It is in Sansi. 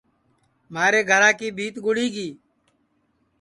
مھارے گھرا کی بھیت گُڑی گی